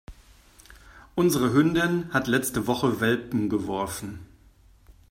Unsere Hündin hat letzte Woche Welpen geworfen.